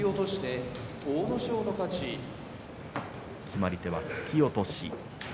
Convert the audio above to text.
決まり手は突き落とし。